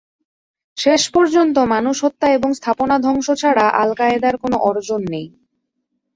শেষ পর্যন্ত মানুষ হত্যা এবং স্থাপনা ধ্বংস ছাড়া আল-কায়েদার কোনো অর্জন নেই।